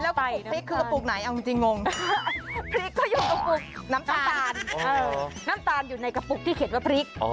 แล้วปลูกพริกคือกระปุกไหนเอาจริงงงพริกก็อยู่ก็คือน้ำตาลน้ำตาลอยู่ในกระปุกที่เขียนว่าพริก